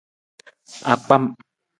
Akpam.